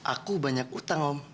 aku banyak utang om